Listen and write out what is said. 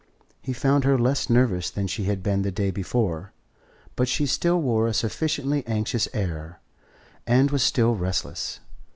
He found her less nervous than she had been the day before, but she still wore a sufficiently anxious air, and was still restless.